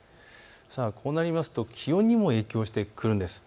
こうなると気温にも影響してくるんです。